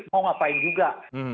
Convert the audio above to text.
mau ngapain juga